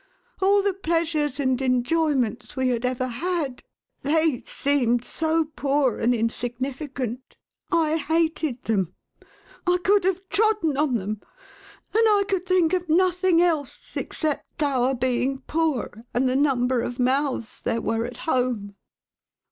All the pleasures and enjoyments we had ever had — they seemed so poor and insignificant, I hated them. I could have trodden on them. And I could think of nothing else, except our being poor, and the number of mouths there were at home."